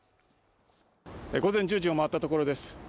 午前１０時を回ったところです